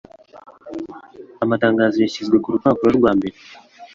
Amatangazo yashyizwe kurupapuro rwa mbere.